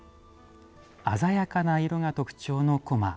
鮮やかな色が特徴のこま。